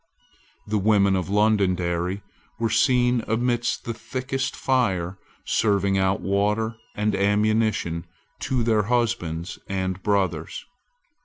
The women of Londonderry were seen amidst the thickest fire serving out water and ammunition to their husbands and brothers.